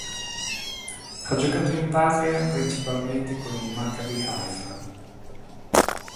Ha giocato in patria principalmente con il Maccabi Haifa.